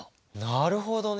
なるほどね。